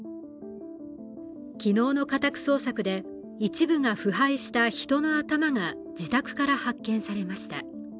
昨日の家宅捜索で一部が腐敗した人の頭が自宅から発見されました。